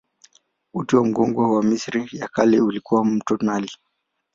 Uti wa mgongo wa Misri ya Kale ulikuwa mto Naili.